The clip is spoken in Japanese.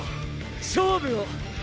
勝負を！！